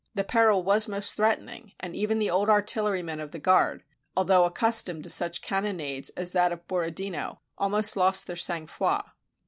The peril was most threat ening; and even the old artillerymen of the guard, al though accustomed to such cannonades as that of Boro dino, almost lost their sang froid.